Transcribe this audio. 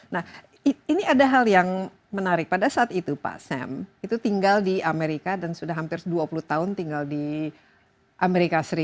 nah ini ada hal yang menarik pada saat itu pak sam itu tinggal di amerika dan sudah hampir dua puluh tahun tinggal di amerika serikat